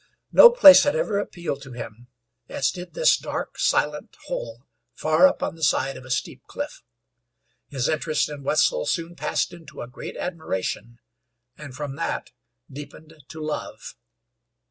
No place had ever appealed to him as did this dark, silent hole far up on the side of a steep cliff. His interest in Wetzel soon passed into a great admiration, and from that deepened to love.